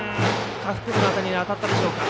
下腹部の辺りに当たったでしょうか。